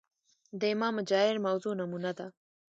د امام جائر موضوع نمونه ده